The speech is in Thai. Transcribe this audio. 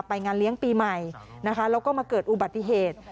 งานเลี้ยงปีใหม่นะคะแล้วก็มาเกิดอุบัติเหตุ